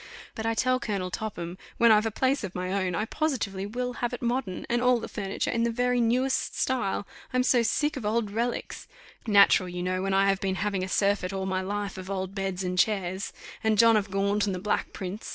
But I tell Colonel Topham, when I've a place of my own, I positively will have it modern, and all the furniture in the very newest style. I'm so sick of old reliques! Natural, you know, when I have been having a surfeit all my life of old beds and chairs, and John of Gaunt and the Black Prince.